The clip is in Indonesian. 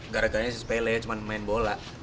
gara garanya si spele cuman main bola